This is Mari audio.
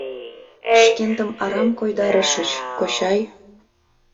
Шкендым арам койдарышыч, кочай...